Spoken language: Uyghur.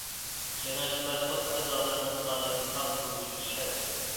كېڭەشمە سوت ئەزالىرىنىڭ سانى تاق بولۇشى شەرت.